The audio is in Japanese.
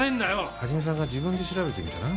一さんが自分で調べてみたら？